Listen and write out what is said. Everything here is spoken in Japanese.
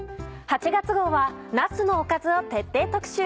８月号はなすのおかずを徹底特集。